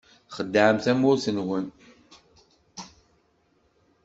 Txedɛem tamurt-nwen.